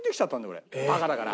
俺バカだから。